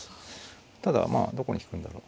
ただまあどこに引くんだろう。